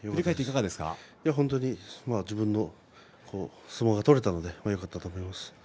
本当に自分の相撲が取れたのでよかったと思います。